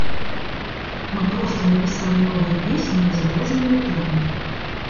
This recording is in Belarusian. Мы проста напісалі новую песню на зададзеную тэму.